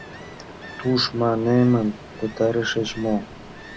— Тушманемым пытарышыч мо?»